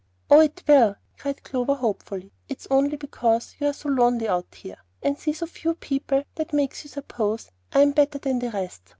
"Oh, it will," cried Clover, hopefully. "It's only because you're so lonely out here, and see so few people, that makes you suppose I am better than the rest.